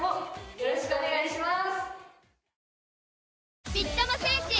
よろしくお願いします。